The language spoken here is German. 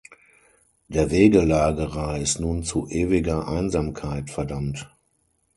Der Wegelagerer ist nun zu ewiger Einsamkeit verdammt.